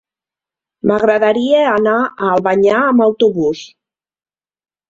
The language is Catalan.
M'agradaria anar a Albanyà amb autobús.